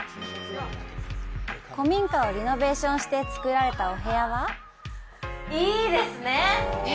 古民家をリノベーションしてつくられたお部屋はいいですね！